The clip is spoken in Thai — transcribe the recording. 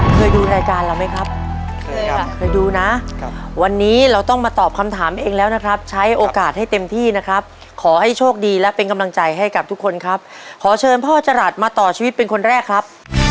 เคยดูรายการเราไหมครับเคยค่ะเคยดูนะวันนี้เราต้องมาตอบคำถามเองแล้วนะครับใช้โอกาสให้เต็มที่นะครับขอให้โชคดีและเป็นกำลังใจให้กับทุกคนครับขอเชิญพ่อจรัสมาต่อชีวิตเป็นคนแรกครับ